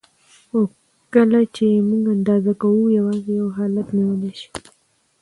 خو کله یې چې موږ اندازه کوو یوازې یو حالت نیولی شي.